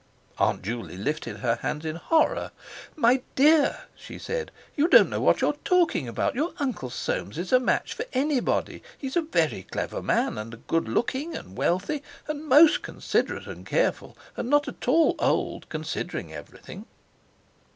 Aunt Juley lifted her hands in horror. "My dear," she said, "you don't know what you're talking about. Your Uncle Soames is a match for anybody. He's a very clever man, and good looking and wealthy, and most considerate and careful, and not at all old, considering everything."